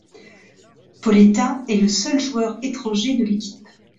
Pauleta est le seul joueur étranger de l'équipe.